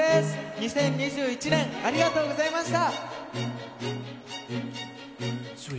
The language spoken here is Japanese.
２０２１年ありがとうございました。